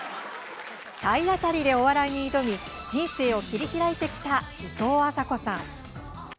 体当たりでお笑いに挑み人生を切り開いてきたいとうあさこさん。